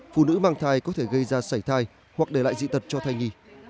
phụ nữ mang thai có thể gây ra sảy thai hoặc để lại dị tật cho thai nhi